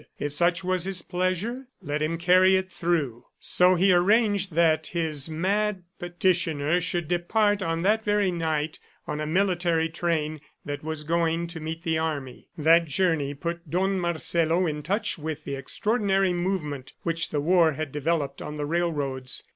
If such was his pleasure, let him carry it through! So he arranged that his mad petitioner should depart that very night on a military train that was going to meet the army. That journey put Don Marcelo in touch with the extraordinary movement which the war had developed on the railroads.